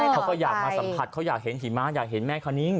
เขาก็อยากมาสัมผัสเขาอยากเห็นหิมะอยากเห็นแม่คณิ้ง